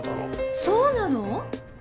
そうなの？